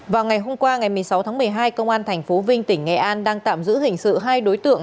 vào ngày hôm qua ngày một mươi sáu tháng một mươi hai công an tp vinh tỉnh nghệ an đang tạm giữ hình sự hai đối tượng